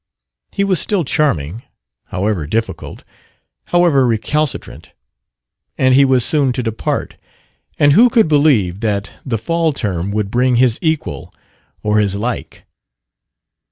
He was still "charming" however difficult, however recalcitrant. And he was soon to depart. And who could believe that the fall term would bring his equal or his like?